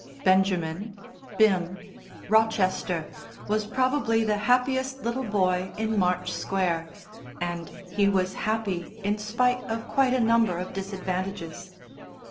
Benjamin (Bim) Rochester was probably the happiest little boy in March Square, and he was happy in spite of quite a number of disadvantages.